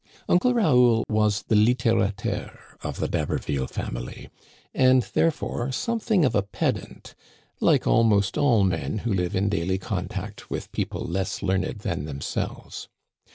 Uncle Raoul was the littérateur of the D'Haberville family, and, therefore, something of a pedant, like al most all men who live in daily contact with people less learned than themselves.